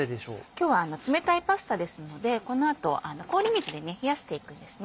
今日は冷たいパスタですのでこの後氷水で冷やしていくんですね。